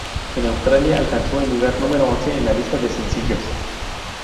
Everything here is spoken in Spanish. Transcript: En Australia, alcanzó el lugar número once en la lista de sencillos.